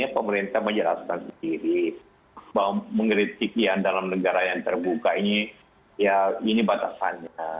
pemerintah menjelaskan sendiri bahwa mengkritik yang dalam negara yang terbuka ini ya ini batasannya